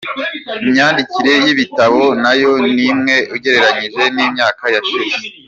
Inyandikire y’ibitabo nayo ni imwe ugereranyije n’imyaka yashije.